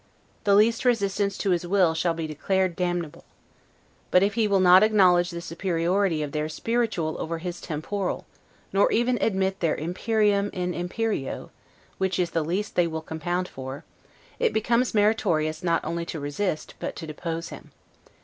The least resistance to his will shall be declared damnable. But if he will not acknowledge the superiority of their spiritual over his temporal, nor even admit their 'imperium in imperio', which is the least they will compound for, it becomes meritorious not only to resist, but to depose him.